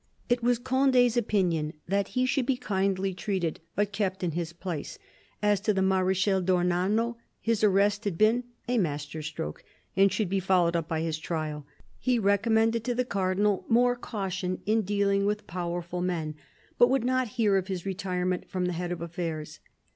It was Conde's opinion that he should be kindly treated, but kept '. his place : as to the Marechal d'Ornano, his arrest had been "a master stroke" and should be followed up by his trial. He recommended to the Cardinal more caution in dealing with powerful men, but would not hear of his retirement from the head of affairs.